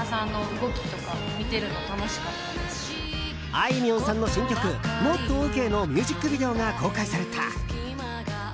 あいみょんさんの新曲「ノット・オーケー」のミュージックビデオが公開された。